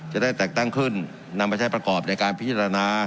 จะได้แต่งตั้งขึ้นนำไปใช้ประกอบในการพิจารณา